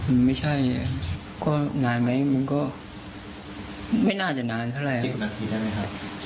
มันไม่ใช่ก็นานไหมมันก็ไม่น่าจะนานเท่าไหร่๑๐นาทีได้ไหมครับ